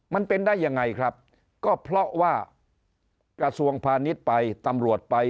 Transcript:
มันเป็นได้ยังไงครับก็เพราะว่ากระทรวงพาณิชย์ไปตำรวจไป